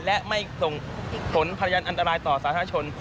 และไม่ส่งผลพยานอันตรายต่อสาธารณชน